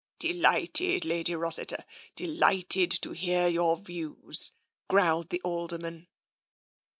" Delighted, Lady Rossiter, delighted to hear your views," growled the Alderman.